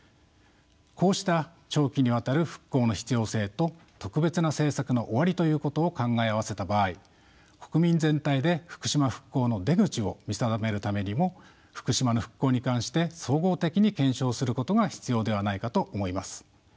こうした長期にわたる復興の必要性と特別な政策の終わりということを考え合わせた場合国民全体で福島復興の出口を見定めるためにも福島の復興に関して総合的に検証することが必要ではないかと思います。